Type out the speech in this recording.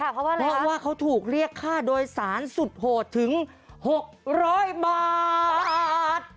เพราะว่าเขาถูกเรียกค่าโดยสารสุดโหดถึง๖๐๐บาท